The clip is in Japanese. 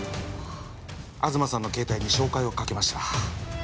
東さんの携帯に照会をかけました。